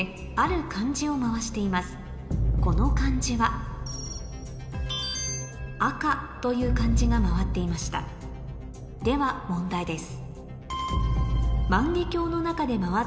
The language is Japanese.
この漢字は「赤」という漢字が回っていましたでは問題です